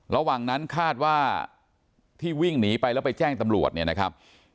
ระหว่างนั้นคาดว่าที่วิ่งหนีไปแล้วไปแจ้งตำรวจเนี่ยนะครับ